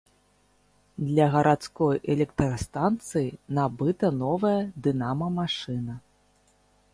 Для гарадской электрастанцыі набыта новая дынама-машына.